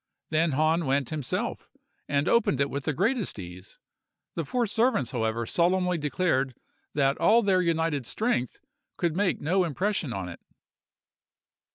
Then Hahn went himself, and opened it with the greatest ease. The four servants, however, solemnly declared that all their united strength could make no impression on it.